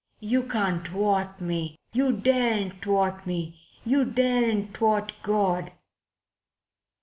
You can't thwart me. You daren't thwart me. You daren't thwart God."